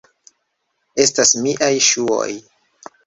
Estas miaj ŝuoj!